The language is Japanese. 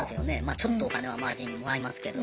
ちょっとお金はマージンもらいますけど。